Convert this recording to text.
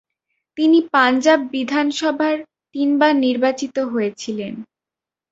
তিনি পাঞ্জাব বিধানসভার তিনবার নির্বাচিত হয়েছিলেন।